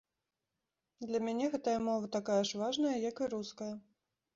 Для мяне гэтая мова такая ж важная, як і руская.